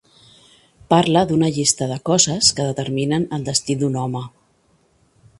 Parla d'una llista de coses que determinen el destí d'un home.